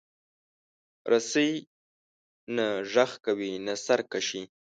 رسۍ نه غږ کوي، نه سرکشي.